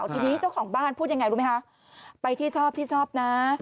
ทีนี้เจ้าของบ้านพูดยังไงรู้ไหมคะไปที่ชอบที่ชอบนะ